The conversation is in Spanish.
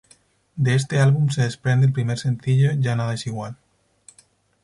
De este álbum se desprende el primer sencillo "Ya nada es igual".